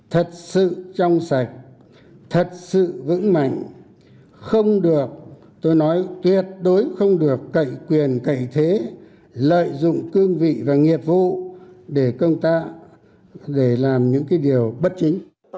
thật sự trong sạch thật sự vững mạnh không được tôi nói tuyệt đối không được cậy quyền cậy thế lợi dụng cương vị và nghiệp vụ để công tác để làm những cái điều bất chính